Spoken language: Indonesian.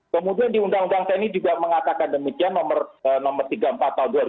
kemudian di undang undang tni juga mengatakan demikian nomor tiga puluh empat tahun dua ribu sembilan belas